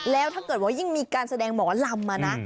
แล้วถ้าเกิดว่ายิ่งมีการแสดงหมอลำมานะ